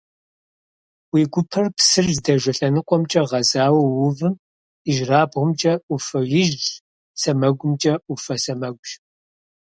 Уи гупэр псыр здэжэ лъэныкъуэмкӀэ гъэзауэ уувым ижьырабгъумкӀэ Ӏуфэ ижъщ, сэмэгумкӀэ Ӏуфэ сэмэгущ.